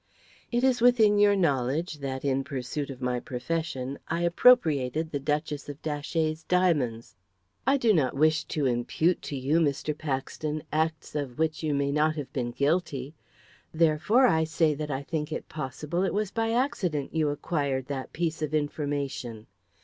"It is within your knowledge that, in pursuit of my profession, I appropriated the Duchess of Datchet's diamonds. I do not wish to impute to you, Mr. Paxton, acts of which you may have not been guilty; therefore I say that I think it possible it was by accident you acquired that piece of information.